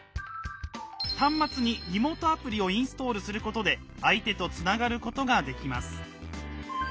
端末にリモートアプリをインストールすることで相手とつながることができます。